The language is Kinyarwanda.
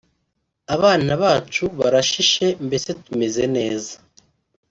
abana bacu barashishe mbese tumeze neza